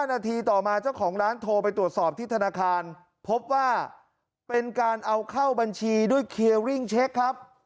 นาทีต่อมาเจ้าของร้านโทรไปตรวจสอบที่ธนาคารพบว่าเป็นการเอาเข้าบัญชีด้วยเคียริ่งเช็คครับ